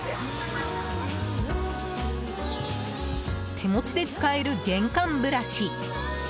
手持ちで使える玄関ブラシ。